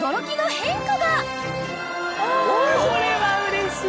これはうれしい。